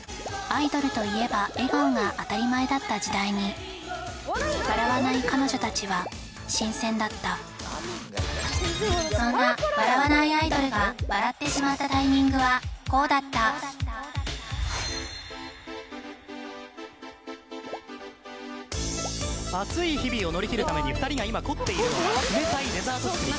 アイドルといえば笑顔が当たり前だった時代に笑わない彼女たちは新鮮だったそんな笑わないアイドルが笑ってしまったタイミングはこうだった・暑い日々を乗り切るために２人が今凝っているのが冷たいデザート作り